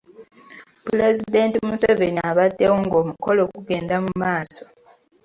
Pulezidenti Museveni abaddewo ng'omukolo gugenda mu maaso.